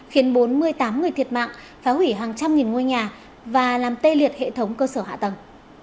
khiến bốn mươi tám người thiệt mạng phá hủy hàng trăm nghìn ngôi nhà và làm tê liệt hệ thống cơ sở hạ tầng